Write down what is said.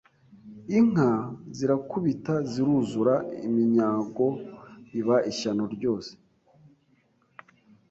inka zirakubita ziruzura, iminyago iba ishyano ryose